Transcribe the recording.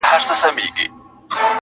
هر څوک يې د خپلې پوهې له مخې تفسيروي,